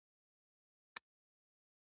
د ځنغوزي ونه لوړه ده